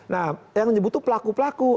nah yang menyebut itu pelaku pelaku